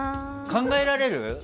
考えられる？